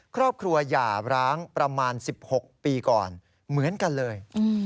ครอบครัวหย่าร้างประมาณ๑๖ปีก่อนเหมือนกันเลย